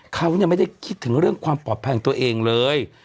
เขาไม่ได้คิดถึงเรื่องความปลอดภัยของตัวเองเลย